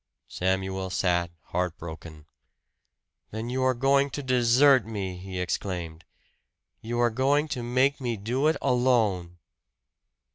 Samuel sat, heart broken. "Then you are going to desert me!" he exclaimed. "You are going to make me do it alone."